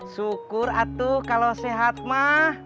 syukur atuh kalau sehat ma